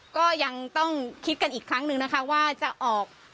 ก็ยังต้องคิดกันอีกครั้งหนึ่งนะคะว่าจะออก